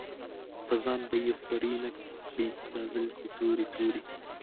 پۀ ځان به خوَرې نۀ کړې دا زلفې تورې تورې